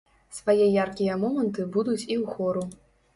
Свае яркія моманты будуць і ў хору.